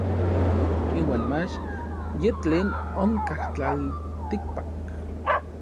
Iuan mach yen tlen onkaj tlaltikpak.